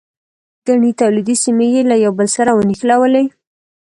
ګڼې تولیدي سیمې یې له یو بل سره ونښلولې.